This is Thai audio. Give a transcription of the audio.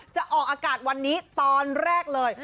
จะออกอากาศวันนี้ตอนแรกเลย